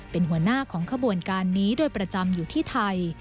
เป็นหัวหน้าของขบวนการนี้โดยประจำอยู่ที่ไทย